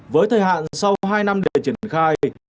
với thời hạn sau hai năm để triển khai